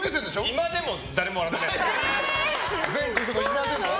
居間でも誰も笑ってないから。